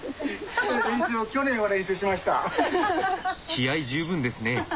気合い十分ですね。